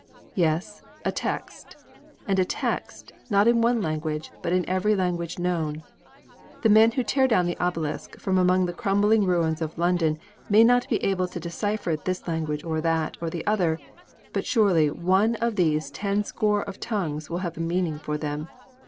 _ Yes, a text; and a text, not in one language, but in every language known! The men who tear down the obelisk from among the crumbling ruins of London may not be able to decipher this language, or that, or the other. But surely one of these ten score of tongues will have a meaning for them!